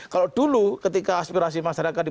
kalau dulu ketika aspirasi masyarakat ya sudah